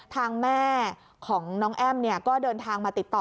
ทางแม่ของน้องแอ้มก็เดินทางมาติดต่อ